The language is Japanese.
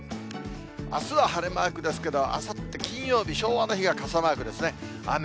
あすは晴れマークですけど、あさって金曜日、昭和の日が傘マークですね。